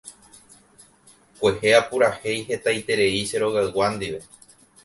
Kuehe apurahéi hetaiterei che rogaygua ndive.